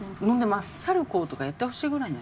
サルコウとかやってほしいぐらいね